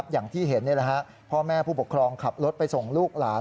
อย่างที่เห็นพ่อแม่ผู้ปกครองขับรถไปส่งลูกหลาน